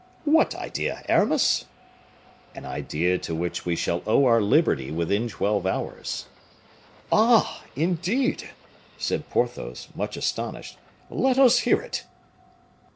"What idea, Aramis?" "An idea to which we shall owe our liberty within twelve hours." "Ah! indeed!" said Porthos, much astonished. "Let us hear it."